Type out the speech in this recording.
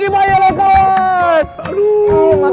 terima kasih banyak kawan